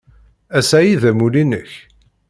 Ass-a ay d amulli-nnek?